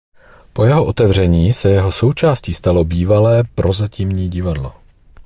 Po jeho otevření se jeho součástí stalo bývalé Prozatímní divadlo.